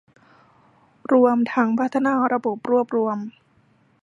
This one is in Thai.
รวมทั้งพัฒนาระบบรวบรวม